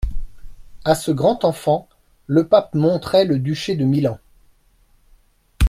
À ce grand enfant, le pape montrait le duché de Milan.